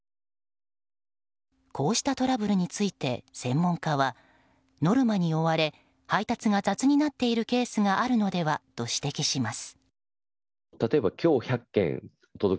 こうしたトラブルについて専門家はノルマに追われ配達が雑になっているケースがあるのではと指摘します。